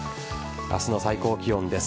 明日の最高気温です。